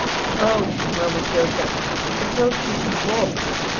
"Oh," murmured Joseph, "suppose she should balk!"